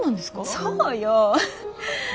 そうよ。